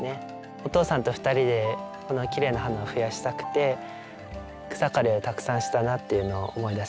お父さんと２人でこのきれいな花を増やしたくて草刈りをたくさんしたなっていうのを思い出しますね。